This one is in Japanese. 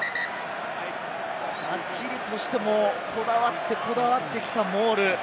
チリとしても、こだわってこだわってきたモール。